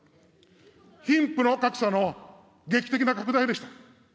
貧富の格差の劇的な拡大でした。